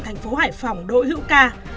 thành phố hải phòng đội hữu ca